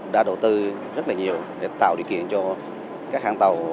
đã đầu tư rất là nhiều để tạo điều kiện cho các hãng tàu